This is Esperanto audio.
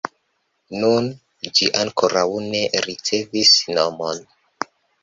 Nun, ĝi ankoraŭ ne ricevis nomon.